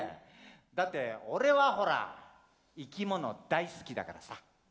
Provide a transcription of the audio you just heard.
だって俺はほらいきもの大好きだからさ。